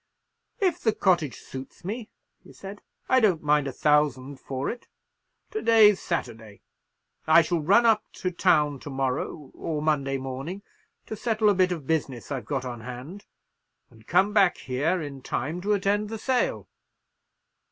"If the cottage suits me," he said, "I don't mind a thousand for it. To day's Saturday;—I shall run up to town to morrow, or Monday morning, to settle a bit of business I've got on hand, and come back here in time to attend the sale."